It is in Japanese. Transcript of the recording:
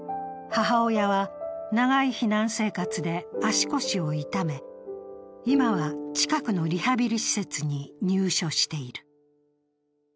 母親は長い避難生活で足腰を痛め、今は近くのリハビリ施設に入所している。